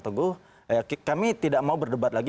teguh kami tidak mau berdebat lagi